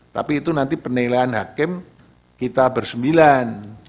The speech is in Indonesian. tapi itu nanti penilaian hakim kita bersembilan